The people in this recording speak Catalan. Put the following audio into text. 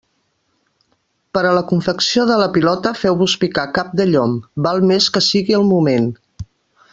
Per a la confecció de la pilota feu-vos picar cap de llom, val més que sigui al moment.